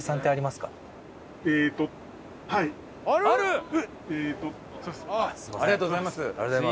ありがとうございます。